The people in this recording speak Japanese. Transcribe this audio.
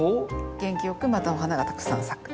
元気よくまたお花がたくさん咲く。